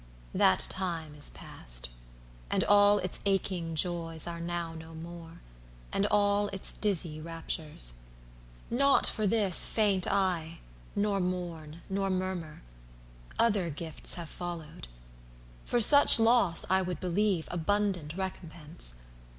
–That time is past, And all its aching joys are now no more, And all its dizzy raptures. Not for this Faint I, nor mourn nor murmur, other gifts Have followed; for such loss, I would believe, Abundant recompence.